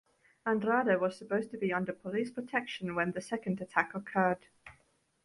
Andrade was supposed to be under police protection when the second attack occurred.